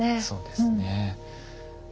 そうですね。